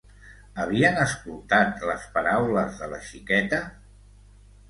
Havien escoltat les paraules de la xiqueta?